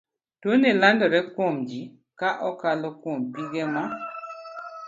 Tuo ni landore kuomji ka okalo kuom pige ma